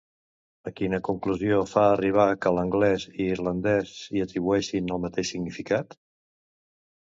A quina conclusió fa arribar que l'anglès i l'irlandès hi atribueixin el mateix significat?